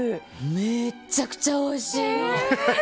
めちゃくちゃおいしいの！